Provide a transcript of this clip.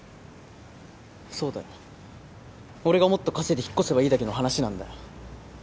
そうだよ俺がもっと稼いで引っ越せばいいだけの話なんだよ